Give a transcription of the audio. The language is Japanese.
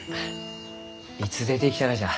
いつ出てきたがじゃ？